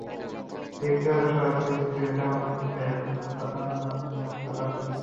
ব্যক্তিগত সহকারীর পিছু পিছু আমরা পৌঁছে যাব অসাধারণ সেই মানুষটির আরেকটু কাছে।